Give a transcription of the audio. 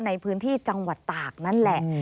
ในพื้นที่จังหวัดตากนั่นแหละ